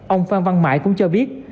ông phan văn mãi cũng cho biết